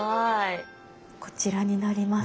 こちらになります。